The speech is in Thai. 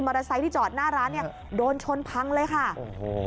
ไซค์ที่จอดหน้าร้านเนี้ยโดนชนพังเลยค่ะโอ้โห